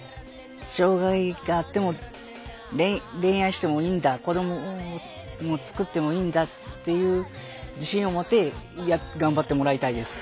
障害があっても恋愛してもいいんだ子どももつくってもいいんだっていう自信を持って頑張ってもらいたいです。